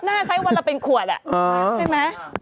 น่าใช่วันเราเป็นขวดอ่ะใช่ไหม